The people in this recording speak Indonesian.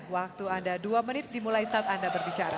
waktu anda dua menit dimulai saat anda berbicara